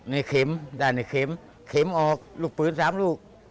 นี่ขิมด้านนี้ขิมขิมออกลูกปืนสามลูก